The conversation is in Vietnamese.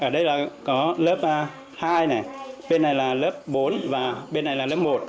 ở đây là có lớp hai này bên này là lớp bốn và bên này là lớp một